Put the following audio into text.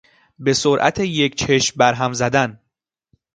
به سرعت یک چشم بر هم زدن